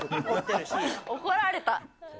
怒られた。